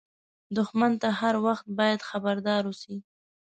دښمن ته هر وخت باید خبردار اوسې